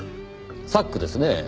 サックですねぇ